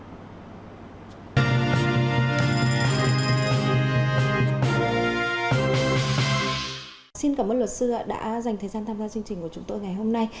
xin cảm ơn luật sư đã dành thời gian tham gia chương trình của chúng tôi ngày hôm nay